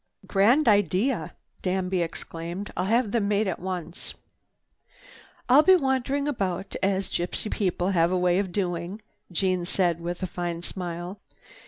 "Grand idea!" Danby exclaimed. "I'll have them made at once." "I'll be wandering about, as gypsy people have a way of doing," Jeanne said with a fine smile.